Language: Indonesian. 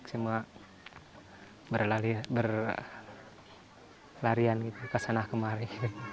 semua berlarian ke sana kemari